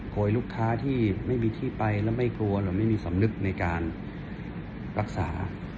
โดยลูกค้าที่ไม่มีที่ไปแล้วไม่กลัวหรือไม่มีสำนึกในการรักษา